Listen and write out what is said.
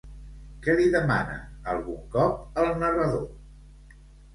Què li demana algun cop el narrador?